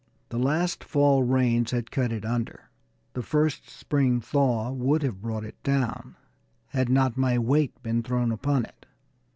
The last fall rains had cut it under; the first spring thaw would have brought it down, had not my weight been thrown upon it.